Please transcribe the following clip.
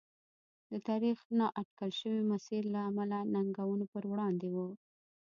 د تاریخ نااټکل شوي مسیر له امله ننګونو پر وړاندې و.